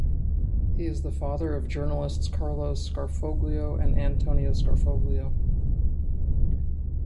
He is the father of journalists Carlo Scarfoglio and Antonio Scarfoglio.